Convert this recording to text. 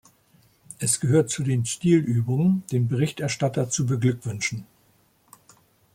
Es gehört zu den Stilübungen, den Berichterstatter zu beglückwünschen.